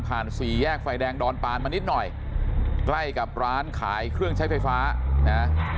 สี่แยกไฟแดงดอนปานมานิดหน่อยใกล้กับร้านขายเครื่องใช้ไฟฟ้านะ